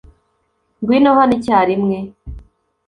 Ngwino hano icyarimwe .